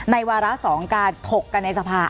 ในวาระสองการถกกันในสภา